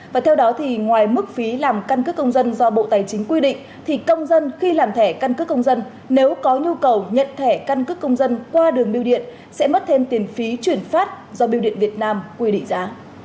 và theo đó thì ngoài mức phí làm căn cước công dân do bộ tài chính quy định thì công dân khi làm thẻ căn cước công dân nếu có nhu cầu nhận thẻ căn cước công dân qua đường biêu điện sẽ mất thêm tiền phí chuyển phát do biêu điện việt nam quy định giá